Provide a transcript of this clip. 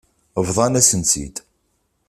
Bḍan-asen-tt-id.